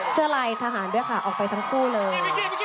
เสื้อลายทหารด้วยค่ะออกไปทั้งคู่เลย